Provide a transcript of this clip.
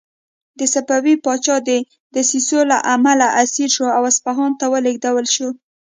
د صفوي پاچا د دسیسو له امله اسیر شو او اصفهان ته ولېږدول شو.